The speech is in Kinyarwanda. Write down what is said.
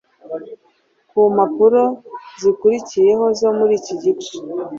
Ku mpapuro zikurikiyeho zo muri iki gice,